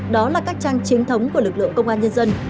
đó là các trang chính thống của lực lượng công an nhân dân